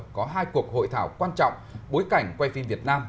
có hai cuộc hội thảo quan trọng bối cảnh quay phim việt nam